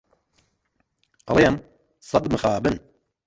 ئەڵێم سەد مخابن